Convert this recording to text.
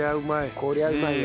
こりゃうまいわ。